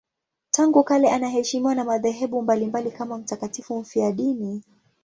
Tangu kale anaheshimiwa na madhehebu mbalimbali kama mtakatifu mfiadini.